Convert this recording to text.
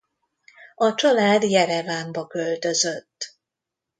A család Jerevánba költözött.